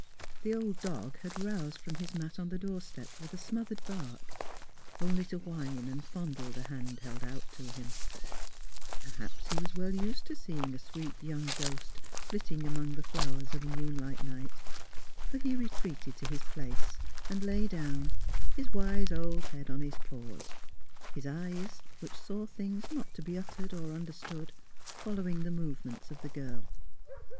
The old dog had roused from his mat on the doorstep with a smothered bark, only to whine and fondle the hand held out to him. WINGS OF THE MOENING 203 Perhaps he was well used to seeing a sweet young ghost flitting among the flowers of a moonlight night, for he retreated to his place and lay down, his wise old head on his paws, his eyes, which saw things not to be uttered or understood, fol lowing the movements of the girl.